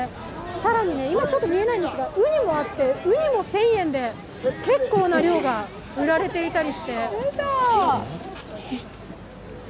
更に今、ちょっと見えないんですがうにも１０００円で、結構な量が売られていたりして。